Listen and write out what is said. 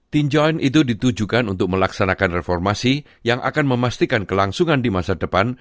tinjauan itu ditujukan untuk melaksanakan reformasi yang akan memastikan kelangsungan di masa depan